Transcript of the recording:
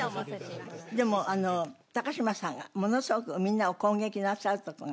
でも高嶋さんがものすごくみんなを攻撃なさるとこがね。